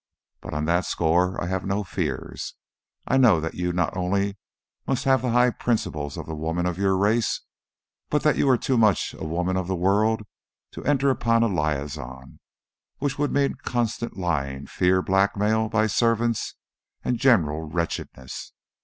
But on that score I have no fears. I know that you not only must have the high principles of the women of your race, but that you are too much a woman of the world to enter upon a liaison, which would mean constant lying, fear, blackmail by servants, and general wretchedness.